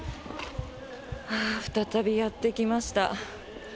再びやってきました。